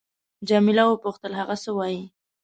جميله وپوښتل: هغه څه وایي؟